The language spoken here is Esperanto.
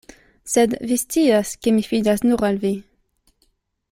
Sed vi scias, ke mi fidas nur al vi.